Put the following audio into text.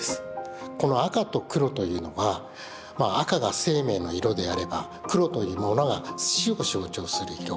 この赤と黒というのは赤が生命の色であれば黒というものが死を象徴する色。